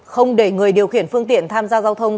không để người điều khiển phương tiện tham gia giao thông